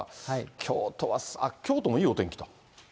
京都は、京都もいいお天気だ。